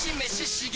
刺激！